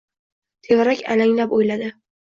Tevarak alanglab o‘yladi.